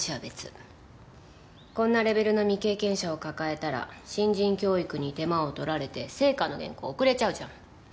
こんなレベルの未経験者を抱えたら新人教育に手間を取られて『ＳＥＩＫＡ』の原稿遅れちゃうじゃん。